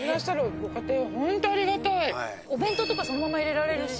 お弁当とかそのまま入れられるし。